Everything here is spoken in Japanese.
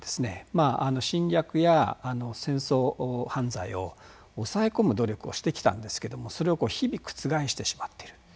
まあ侵略や戦争犯罪を抑え込む努力をしてきたんですけどもそれを日々覆してしまっている。